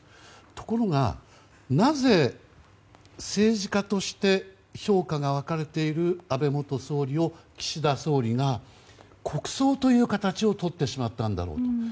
ところが、なぜ政治家として評価が分かれている安倍元総理を岸田総理が国葬という形をとってしまったんだろうと。